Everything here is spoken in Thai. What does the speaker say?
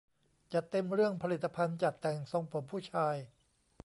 จัดเต็มเรื่องผลิตภัณฑ์จัดแต่งทรงผมผู้ชาย